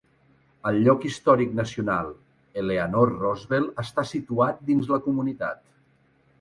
El Lloc Històric Nacional Eleanor Roosevelt està situat dins de la comunitat.